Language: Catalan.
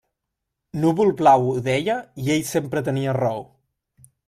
Núvol-Blau ho deia i ell sempre tenia raó.